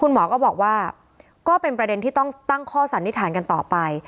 หมอก็บอกว่าก็เป็นประเด็นที่ต้องตั้งข้อสันนิษฐานกันต่อไป